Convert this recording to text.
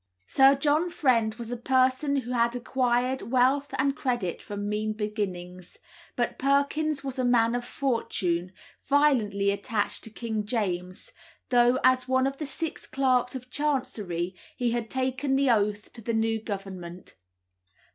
Sir John Friend was a person who had acquired wealth and credit from mean beginnings, but Perkins was a man of fortune, violently attached to King James, though as one of the six clerks of Chancery he had taken the oath to the new Government.